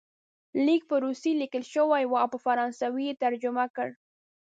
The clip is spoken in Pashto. لیک په روسي لیکل شوی وو او په فرانسوي یې ترجمه کړ.